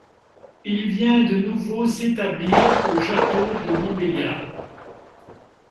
Il vient de nouveau s'établir au château de Montbéliard.